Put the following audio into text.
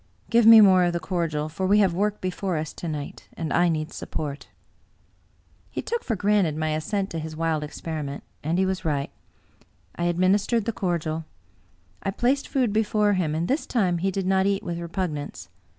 Give me more of the cordial, for we have work before us to night, and I need support." He took for granted my assent to his wild experiment ; and he was right. I administered the cordial. I placed food before him, and this time he did not eat with repugnance.